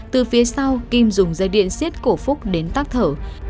từ phía sau kim dùng dây điện xiết cổ phúc đến tác thở